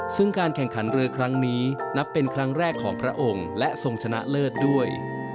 ซึ่งการแข่งขันเรือครั้งนี้นับเป็นครั้งแรกของพระองค์และทรงชนะเลิศด้วย